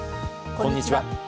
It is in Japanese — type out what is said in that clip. こんにちは。